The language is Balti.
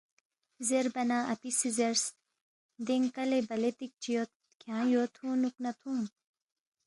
زیربا نہ اپی سی زیرس، ”دینگ کَلی بلے تِکچی یود، کھیان٘ی یو تُھونگنُوک نا تُھونگ